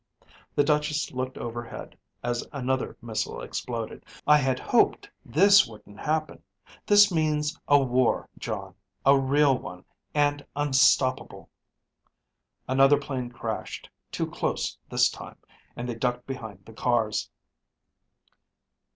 The Duchess looked overhead as another missile exploded. "I had hoped this wouldn't happen. This means a war, Jon. A real one, and unstoppable." Another plane crashed, too close this time, and they ducked behind the cars.